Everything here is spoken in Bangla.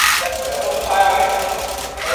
তারা সবাই দেখতে কিছুটা আমার মত, কিন্তু পুরোপুরি না।